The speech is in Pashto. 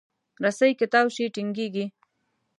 رسۍ که تاو شي، ټینګېږي.